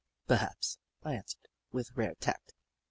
" Perhaps," I answered, with rare tact.